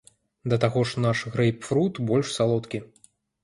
Да таго ж, наш грэйпфрут больш салодкі.